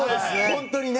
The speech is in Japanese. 本当にね！